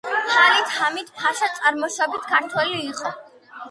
ჰალილ ჰამიდ-ფაშა წარმოშობით ქართველი იყო.